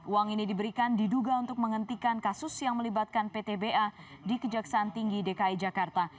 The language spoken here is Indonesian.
uang ini diberikan diduga untuk menghentikan kasus yang melibatkan ptba di kejaksaan tinggi dki jakarta